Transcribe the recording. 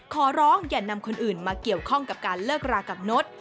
ขอร้องอย่านำคนอื่นมาเกี่ยวข้องกับการเลิกรากับนด